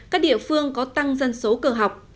các địa phương có tăng dân số cờ học